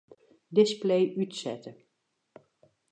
Display útsette.